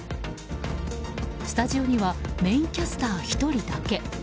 スタジオにはメインキャスター１人だけ。